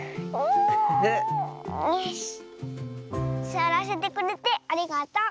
すわらせてくれてありがとう。